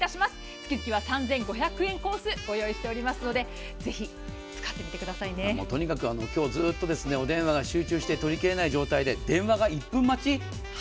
月々は３５００円コースをご用意しておりますのでとにかく今日、お電話が集中して取り切れない状態で電話が１分待ち？